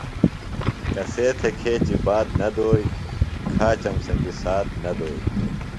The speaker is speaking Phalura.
کسے تھےۡ کھیچیۡ بات نہ دوئی, کھاچم سنگیۡ ساتھ نہ دوئی